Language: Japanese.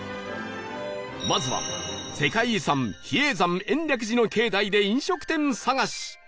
まずは世界遺産比叡山延暦寺の境内で飲食店探し